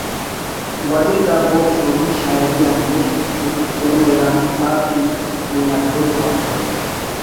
ولے دا بوگ شوگی شاعری آن مست کہ اونا اِرا کتاب کہ اونا ڈکھ آتا